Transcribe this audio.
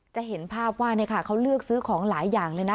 จะเห็นภาพว่าเขาเลือกซื้อของหลายอย่างเลยนะ